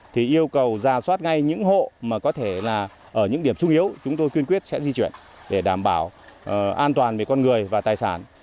thì yêu cầu giả soát ngay những hộ mà có thể là ở những điểm sung yếu chúng tôi kiên quyết sẽ di chuyển để đảm bảo an toàn về con người và tài sản